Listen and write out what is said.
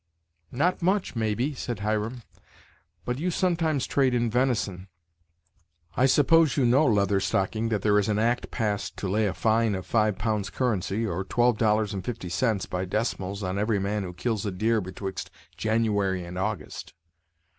"Not much, maybe," said Hiram; "but you sometimes trade in venison. I s'pose you know, Leather Stocking, that there is an act passed to lay a fine of five pounds currency, or twelve dollars and fifty cents, by decimals, on every man who kills a deer betwixt January and August.